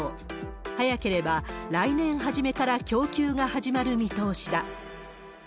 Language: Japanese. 早ければ来年初めから供給が始まる見通しだ。